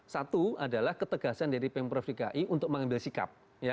satu adalah ketegasan dari pemprov dki untuk mengambil sikap